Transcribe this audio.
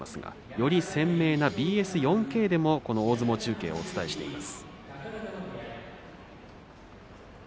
より鮮明なＢＳ４Ｋでも大相撲中継をお伝えしています。